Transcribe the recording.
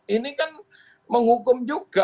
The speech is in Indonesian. ini kan menghukum juga